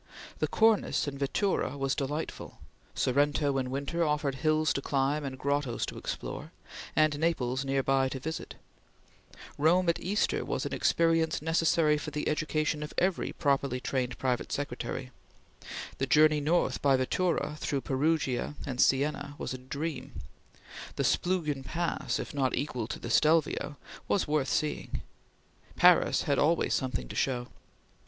The Cornice in vettura was delightful; Sorrento in winter offered hills to climb and grottoes to explore, and Naples near by to visit; Rome at Easter was an experience necessary for the education of every properly trained private secretary; the journey north by vettura through Perugia and Sienna was a dream; the Splugen Pass, if not equal to the Stelvio, was worth seeing; Paris had always something to show.